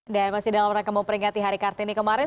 dan masih dalam rekam memperingati hari kartini kemarin